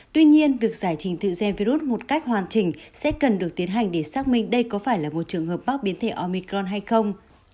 tuy nhiên việc giải trình tự gen virus một cách hoàn chỉnh sẽ cần được tiến hành để xác minh đây có phải là một trường hợp mắc biến thể omicron hay không